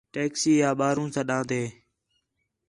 ٹیکسی آ ٻاہروں سٹان٘دے